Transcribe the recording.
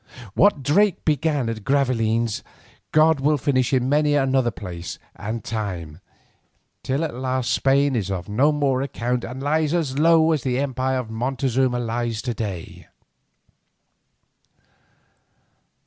What Drake began at Gravelines God will finish in many another place and time, till at last Spain is of no more account and lies as low as the empire of Montezuma lies to day.